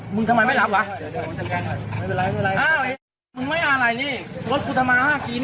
หน้าพี่เหมือนโจรไม่ทำอย่างงี้เลย